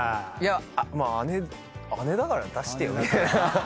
いやまあ姉だから出してよ。